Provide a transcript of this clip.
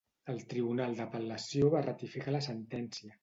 El tribunal d'apel·lació va ratificar la sentència.